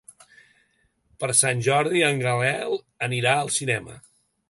Per Sant Jordi en Gaël anirà al cinema.